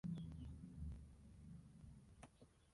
En los últimos años de su vida residía en la Casa del Teatro.